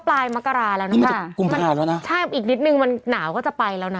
อากาศมันแฟร์ปวนนะคุณ